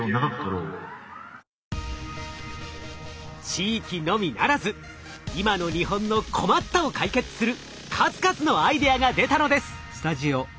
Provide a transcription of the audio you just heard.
地域のみならず今の日本の「困った！」を解決する数々のアイデアが出たのです。